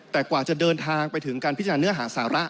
แต่กว่าจะเดินทางไปถึงการพิจารณาเนื้อหาสาระ